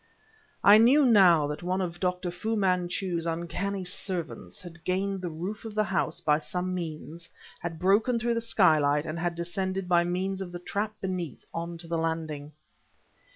I knew now that one of Dr. Fu Manchu's uncanny servants had gained the roof of the house by some means, had broken through the skylight and had descended by means of the trap beneath on to the landing.